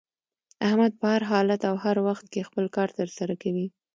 احمد په هر حالت او هر وخت کې خپل کار تر سره کوي.